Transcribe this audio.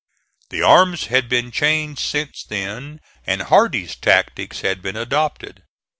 The arms had been changed since then and Hardee's tactics had been adopted.